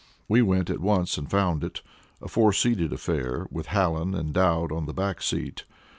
We went at once and found it, a four seated affair, with Hallen and Dowd on the back seat.